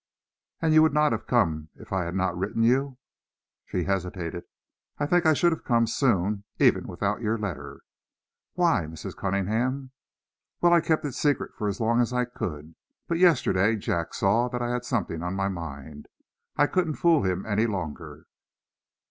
"And you would not have come, if I had not written you?" She hesitated. "I think I should have come soon, even without your letter." "Why, Mrs. Cunningham?" "Well, I kept it secret as long as I could, but yesterday Jack saw that I had something on my mind. I couldn't fool him any longer."